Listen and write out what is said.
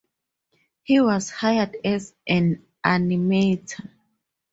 He was hired as an animator.